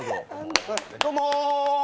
どうも。